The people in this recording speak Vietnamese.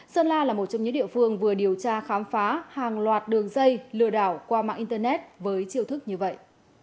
sơn la là một trong những địa phương vừa điều tra khám phá hàng loạt đường dây lừa đảo qua mạng internet với chiều thức như vậy